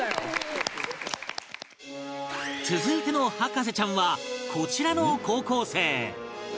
続いての博士ちゃんはこちらの高校生